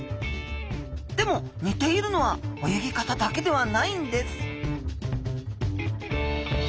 でもにているのは泳ぎ方だけではないんです・